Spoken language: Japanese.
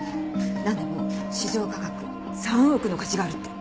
なんでも市場価格３億の価値があるって。